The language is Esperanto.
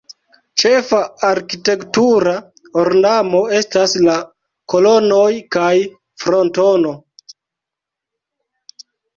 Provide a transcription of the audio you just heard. Ĉefa arkitektura ornamo estas la kolonoj kaj frontono.